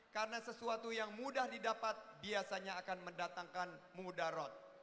karena sesuatu yang mudah didapat biasanya akan mendatangkan mudah rot